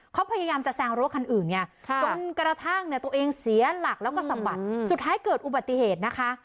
เขาพยายามจะแซงรถคันอื่นไงจนกระทั่งเนี่ยตัวเองเสียหลักแล้วก็สะบัดสุดท้ายเกิดอุบัติเหตุนะคะ